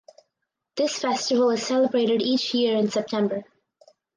This festival is celebrated each year in September.